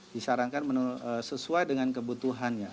disarankan sesuai dengan kebutuhannya